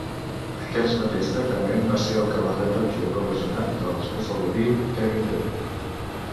Aquest mateix tractament va ser el que va rebre el jugador lesionat dels Buffalo Bill, Kevin Everett.